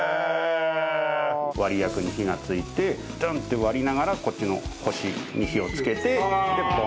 割薬に火がついてドンッて割りながらこっちの星に火をつけてボンと開く。